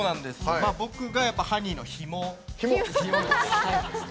僕がハニーのヒモ。